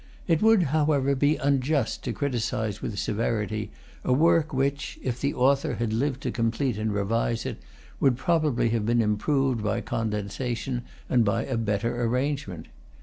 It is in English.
It would, however, be unjust to criticise with severity a work which, if the author had lived to complete and revise it, would probably have been improved by condensation and by a better arrangement.